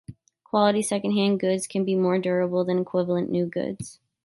Quality secondhand goods can be more durable than equivalent new goods.